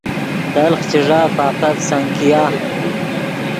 تلخ چے ݱا فقط سنکیا